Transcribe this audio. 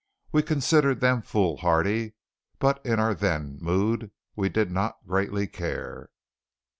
We considered them foolhardy; but in our then mood we did not greatly care.